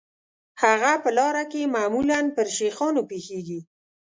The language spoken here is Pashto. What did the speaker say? هغه په لاره کې معمولاً پر شیخانو پیښیږي.